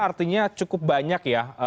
artinya cukup banyak ya